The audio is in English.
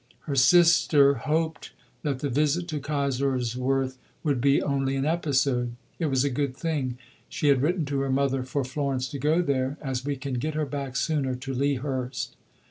Her sister hoped that the visit to Kaiserswerth would be only an episode. It was a good thing, she had written to her mother, for Florence to go there, "as we can get her back sooner to Lea Hurst."